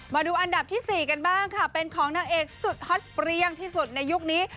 มาดูอันดับที่๔กันบ้างค่ะเป็นของนางเอกสุดฮอตเปรี้ยงที่สุดในยุคนี้